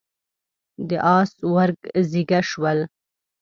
د اس ورږ زيږه شول.